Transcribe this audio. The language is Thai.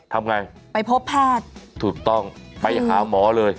ทำไงไปพบแพทย์ถูกต้องไปหาหมอเลย